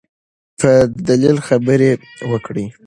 په دلیل خبرې وکړئ.